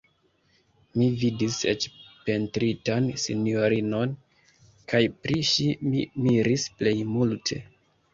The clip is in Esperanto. Mi vidis eĉ pentritan sinjorinon, kaj pri ŝi mi miris plej multe.